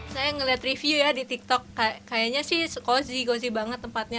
saya melihat review di tiktok kayaknya sih cozy banget tempatnya